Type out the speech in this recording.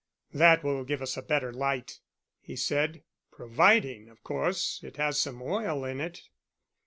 "That will give us a better light," he said; "providing, of course, it has some oil in it."